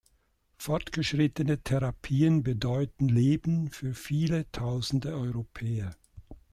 Fortgeschrittene Therapien bedeuten Leben für viele Tausende Europäer.